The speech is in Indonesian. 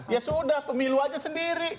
ya sudah pemilu aja sendiri